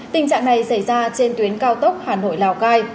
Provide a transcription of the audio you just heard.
tình trạng này xảy ra trên tuyến cao tốc hà nội lào cai